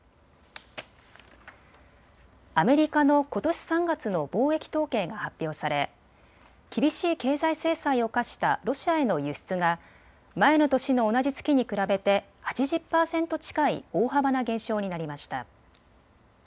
アメリカのことし３月の貿易統計が発表され厳しい経済制裁を科したロシアへの輸出が前の年の同じ月に比べて８０％近い大幅な減少になりました。